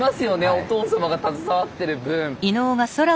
お父様が携わってる分。